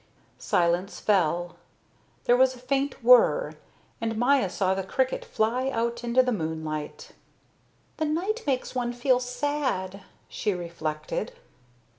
Silence fell. There was a faint whirr, and Maya saw the cricket fly out into the moonlight. "The night makes one feel sad," she reflected.